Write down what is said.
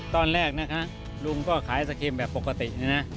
ตอนแรกนะคะลุงก็ขายไอศครีมแบบปกติเนี่ยนะ